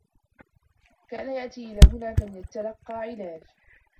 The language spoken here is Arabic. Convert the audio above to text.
كان يأتي إلى هنا كي يتلقّ العلاج.